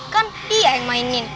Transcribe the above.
kan dia yang mainin